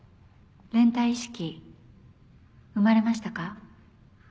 連帯意識生まれましたか？